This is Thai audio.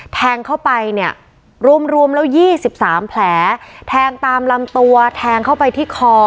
แทงเข้าไปเนี่ยรวมรวมแล้ว๒๓แผลแทงตามลำตัวแทงเข้าไปที่คอ